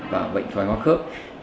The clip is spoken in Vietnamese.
và bệnh thoái hóa khớp